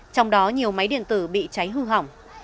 trong đó nhiều máy điện tử bị cháy hư hỏng